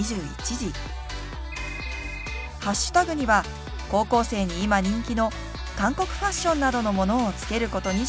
ハッシュタグには高校生に今人気の韓国ファッションなどのものをつけることにしました。